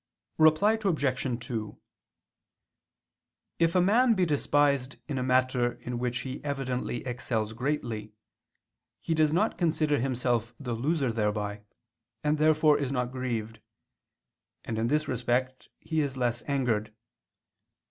Reply Obj. 2: If a man be despised in a matter in which he evidently excels greatly, he does not consider himself the loser thereby, and therefore is not grieved: and in this respect he is less angered.